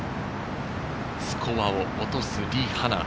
スコアを落とす、リ・ハナ。